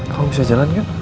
kamu bisa jalan kan